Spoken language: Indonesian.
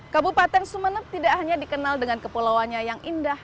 kabupaten sumeneb tidak hanya dikenal dengan kepulauannya yang indah